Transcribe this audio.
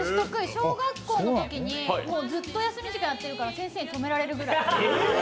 小学校のときに、ずっと休み時間にやってるから、先生に止められるぐらい。